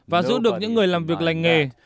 và giữ được những người làm việc lành nghề